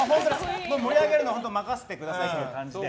盛り上げるのは本当に任せてくださいという感じで。